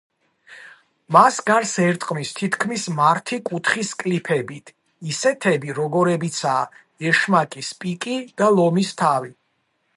მას გარს ერტყმის თითქმის მართი კუთხის კლიფებით, ისეთები როგორებიცაა ეშმაკის პიკი და ლომის თავი.